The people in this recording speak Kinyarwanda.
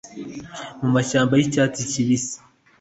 mu mashyamba y'icyatsi kibisi